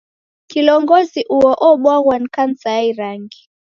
Kilongozi uo obwaghwa ni kansa ya irangi.